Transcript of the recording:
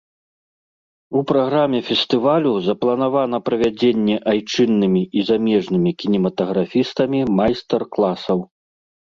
У праграме фестывалю запланавана правядзенне айчыннымі і замежнымі кінематаграфістамі майстар-класаў.